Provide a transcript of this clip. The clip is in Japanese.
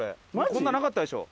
こんななかったでしょ